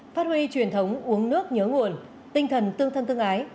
phát huy truyền thống uống nước nhớ nguồn tinh thần tương thân tương ái